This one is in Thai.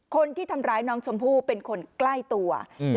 คนที่ทำร้ายน้องชมพู่เป็นคนใกล้ตัวอืม